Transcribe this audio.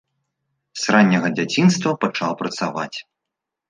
С ранняга дзяцінства пачаў працаваць.